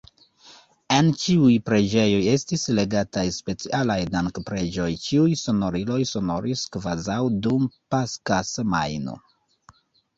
En ĉiuj preĝejoj estis legataj specialaj dankpreĝoj, ĉiuj sonoriloj sonoris kvazaŭ dum Paska semajno.